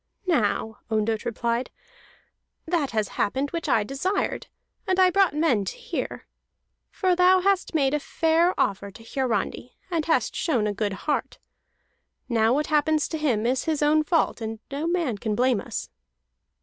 "Now," Ondott replied, "that has happened which I desired, and I brought men to hear. For thou hast made a fair offer to Hiarandi, and hast shown a good heart. Now what happens to him is his own fault, and no man can blame us."